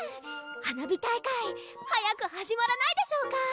花火大会早く始まらないでしょうか